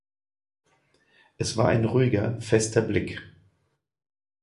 Es war ein ruhiger, fester Blick.